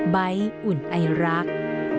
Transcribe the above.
บ๊ายอุ่นไอรักษ์